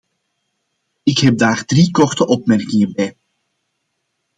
Ik heb daar drie korte opmerkingen bij.